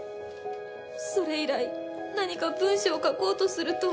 それ以来何か文章を書こうとすると。